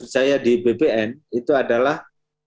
saya di bpn itu adalah